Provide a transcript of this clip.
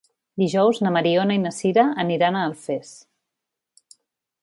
Dijous na Mariona i na Sira aniran a Alfés.